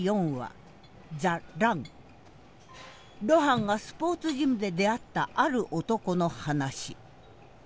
露伴がスポーツジムで出会ったある男の話。